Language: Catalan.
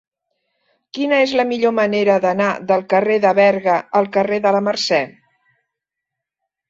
Quina és la millor manera d'anar del carrer de Berga al carrer de la Mercè?